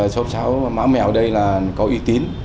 số xáo máu mèo ở đây là có uy tín